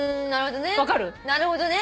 なるほどね。